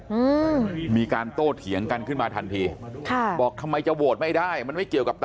อืมมีการโต้เถียงกันขึ้นมาทันทีค่ะบอกทำไมจะโหวตไม่ได้มันไม่เกี่ยวกับ